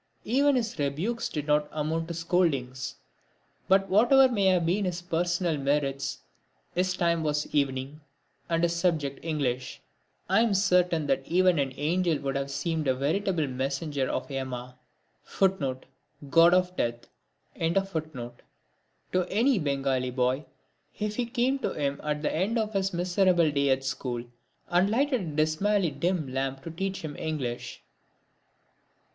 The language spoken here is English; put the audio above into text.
Even his rebukes did not amount to scoldings. But whatever may have been his personal merits, his time was evening, and his subject English! I am certain that even an angel would have seemed a veritable messenger of Yama to any Bengali boy if he came to him at the end of his miserable day at school, and lighted a dismally dim lamp to teach him English.